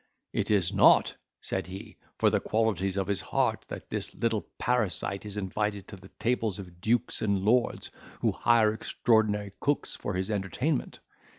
"It is not," said he, "for the qualities of his heart, that this little parasite is invited to the tables of dukes and lords, who hire extraordinary cooks for his entertainment.